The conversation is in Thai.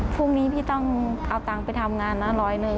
พรุ่งนี้พี่ต้องเอาตังค์ไปทำงานนะร้อยหนึ่ง